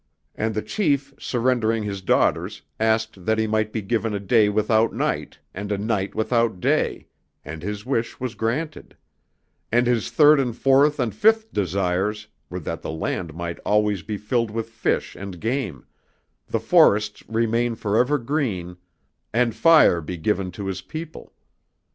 And the chief, surrendering his daughters, asked that he might be given a day without night, and a night without day, and his wish was granted; and his third and fourth and fifth desires were that the land might always be filled with fish and game, the forests remain for ever green, and fire be given to his people.